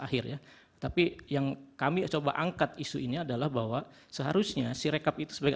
akhirnya tapi yang kami coba angkat isu ini adalah bahwa seharusnya sirecap itu sebagai